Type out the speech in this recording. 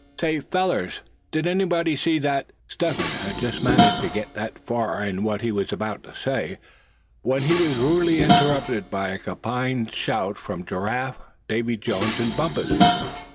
"Say fellers, did anybody see that " Step Hen had just managed to get that far in what he was about to say, when he was rudely interrupted by a combined shout from Giraffe, Davy Jones, and Bumpus.